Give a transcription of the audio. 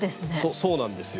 そうなんですよ。